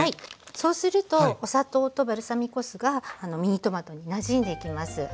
そうするとお砂糖とバルサミコ酢がミニトマトになじんでいきます。